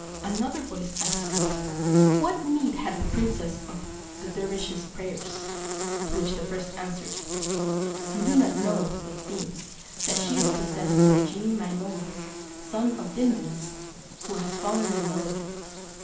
Another voice asked, "What need had the princess of the dervise's prayers?" To which the first answered, "You do not know, it seems, that she is possessed by genie Maimoun, the son of Dimdim, who is fallen in love with her.